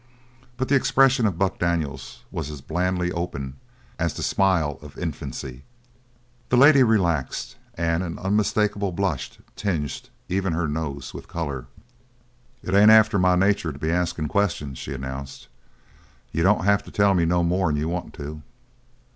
But the expression of Buck Daniels was as blandly open as the smile of infancy. The lady relaxed and an unmistakable blush tinged even her nose with colour. "It ain't after my nature to be askin' questions," she announced. "You don't have to tell me no more'n you want to."